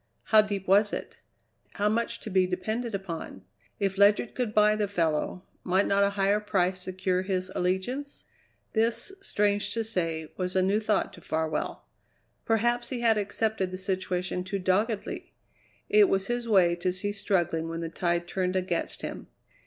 How deep was it? how much to be depended upon? If Ledyard could buy the fellow, might not a higher price secure his allegiance? This, strange to say, was a new thought to Farwell. Perhaps he had accepted the situation too doggedly; it was his way to cease struggling when the tide turned against him.